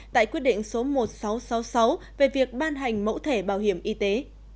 tại quyết định số một nghìn sáu trăm sáu mươi sáu về việc ban hành mẫu thẻ bảo hiểm y tế